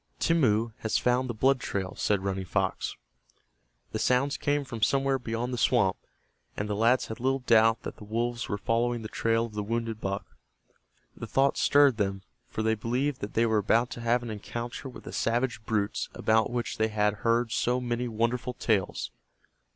"Timmeu has found the blood trail," said Running Fox. The sounds came from somewhere beyond the swamp, and the lads had little doubt that the wolves were following the trail of the wounded buck. The thought stirred them, for they believed that they were about to have an encounter with the savage brutes about which they had heard so many wonderful tales.